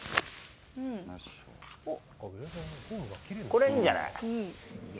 これ、いいんじゃない。